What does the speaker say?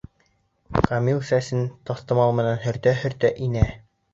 Камил сәсен таҫтамал менән һөртә-һөртә инә.